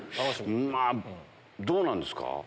まぁどうなんですか？